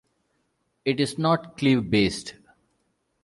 It is not clave-based.